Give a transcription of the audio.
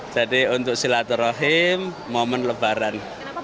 jadi untuk silaturohim momen lebaran